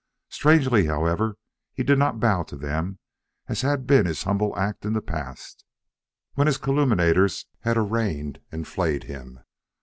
Strangely, however, he did not bow to them, as had been his humble act in the past, when his calumniators had arraigned and flayed him.